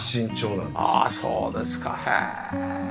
そうですかへえ。